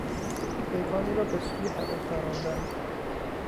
پیکانی را به سوی هدف پراندن